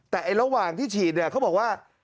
แต่ระหว่างที่ฉีดเนี่ยเขาบอกว่า